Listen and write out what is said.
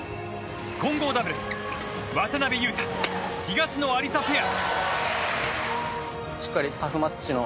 混合ダブルス渡辺勇大、東野有紗ペア。